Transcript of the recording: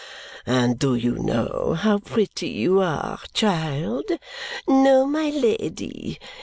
"And do you know how pretty you are, child?" "No, my Lady."